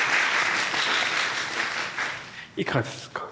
いかがでしたか？